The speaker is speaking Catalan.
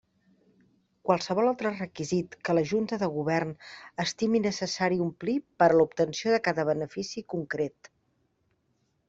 Qualsevol altre requisit que la Junta de Govern estime necessari omplir per a l'obtenció de cada benefici concret.